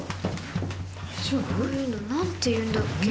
こういうの何て言うんだっけ？